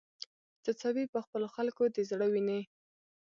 څڅوې په خپلو خلکو د زړه وینې